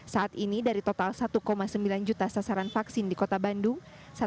saat ini dari total satu sembilan juta sasaran vaksin di kota bandung